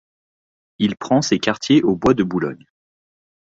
Il prend ses quartiers au bois de Boulogne.